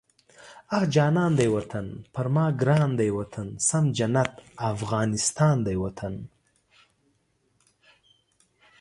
اخ جانان دی وطن، پر ما ګران دی وطن، سم جنت افغانستان دی وطن